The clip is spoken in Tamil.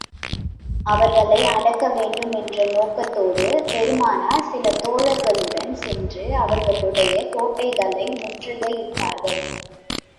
அவர்களை அடக்க வேண்டும் என்ற நோக்கத்தோடு பெருமானார் சில தோழர்களுடன் சென்று, அவர்களுடைய கோட்டைகளை முற்றுகை இட்டார்கள்.